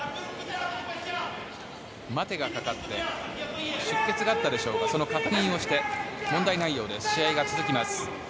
待てがかかって出血があったでしょうかその確認をして問題がないようです試合が続きます。